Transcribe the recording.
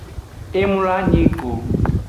E mloanyi go.